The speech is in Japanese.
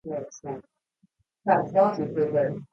晩年、ますます加茂川を愛するようになってきました